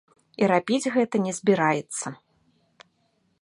І рабіць гэта не збіраецца.